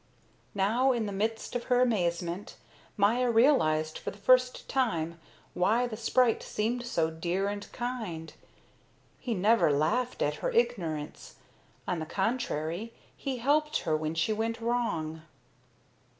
Now, in the midst of her amazement, Maya realized for the first time why the sprite seemed so dear and kind. He never laughed at her ignorance; on the contrary, he helped her when she went wrong.